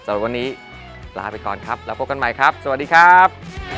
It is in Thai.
สำหรับวันนี้ลาไปก่อนครับแล้วพบกันใหม่ครับสวัสดีครับ